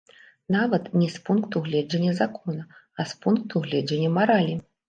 Нават не з пункту гледжання закона, а з пункту гледжання маралі.